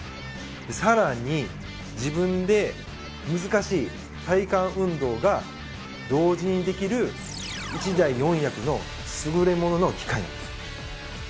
さらに自分で難しい体幹運動が同時にできる１台４役の優れものの機械なんです。